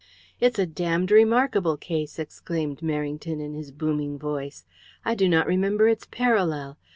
"It's a damned remarkable case," exclaimed Merrington, in his booming voice. "I do not remember its parallel.